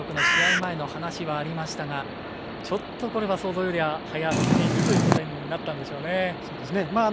前の話はありましたがちょっと、これは想像よりは早すぎるというとこになったんでしょうね。